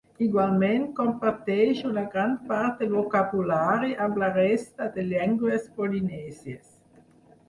Igualment, comparteix una gran part del vocabulari amb la resta de llengües polinèsies.